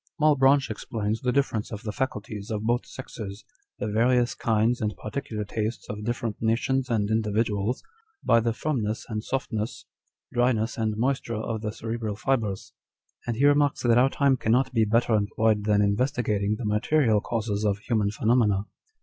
" Malebranche explains the difference of the faculties of both sexes, the various kinds and particular tastes of different nations and individuals, by the firmness and softness, dryness and moisture of the cerebral fibres ; and he remarks that our time cannot be "better employed than in investigating the material causes of human phenomena.